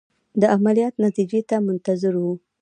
د عملیات نتیجې ته منتظر وو.